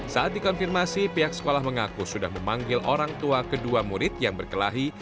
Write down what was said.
saat dikonfirmasi pihak sekolah mengaku sudah memanggil orang tua kedua murid yang berkelahi